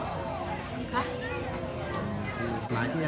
ส่งได้รับเมื่อคราวพี่่เองสงได้รับนี่ค่ะ